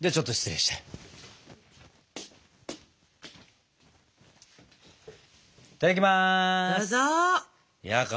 いただきます。